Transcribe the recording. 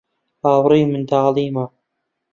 هاوڕێی منداڵیمە.